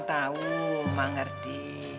ma tau ma ngerti